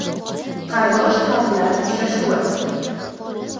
Qardosh xalqlar uchrashuvi